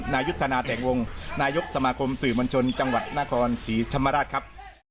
นายุทธนาแต่งวงนายกสมาคมสื่อมวลชนจังหวัดนครศรีธรรมราชครับ